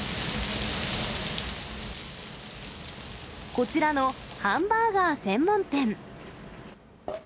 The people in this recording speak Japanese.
こちらのハンバーガー専門店。